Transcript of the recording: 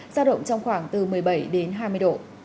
giao động trong khoảng từ một mươi bảy đến hai mươi độ